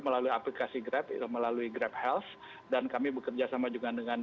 melalui aplikasi grab melalui grab health dan kami bekerja sama juga dengan